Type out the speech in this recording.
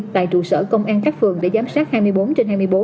tại trụ sở công an các phường để giám sát hai mươi bốn trên hai mươi bốn